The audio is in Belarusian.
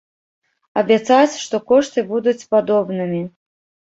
Абяцаць, што кошты будуць падобнымі.